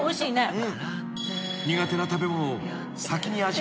うん。